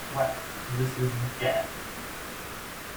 Well, this isn't Cannes.